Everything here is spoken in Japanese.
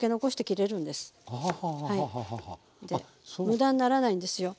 無駄にならないんですよ。